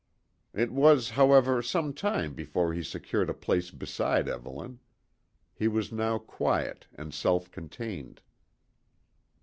It was, however, some time before he secured a place beside Evelyn. He was now quiet and self contained.